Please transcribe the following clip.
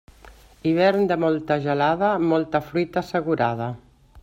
Hivern de molta gelada, molta fruita assegurada.